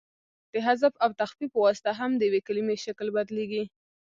د حذف او تخفیف په واسطه هم د یوې کلیمې شکل بدلیږي.